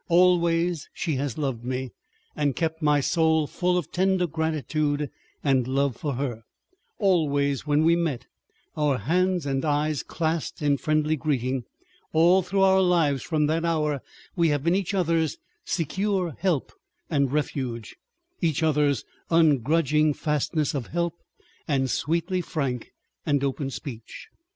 Always she has loved me and kept my soul full of tender gratitude and love for her; always when we met our hands and eyes clasped in friendly greeting, all through our lives from that hour we have been each other's secure help and refuge, each other's ungrudging fastness of help and sweetly frank and open speech.